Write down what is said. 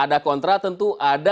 sedangkan waktu pemerintah purwakarta